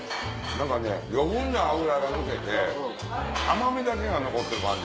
何かね余分な脂が抜けて甘みだけが残ってる感じ。